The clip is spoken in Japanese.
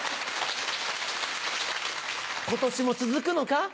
今年も続くのか？